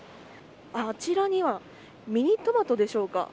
あちらにはミニトマトでしょうか。